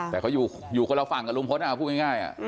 แต่เขาอยู่คนละฝั่งกับลุงพลพูดง่าย